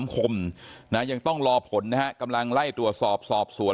ยังต้องรอผลนะฮะกำลังไล่ตรวจสอบสอบสวน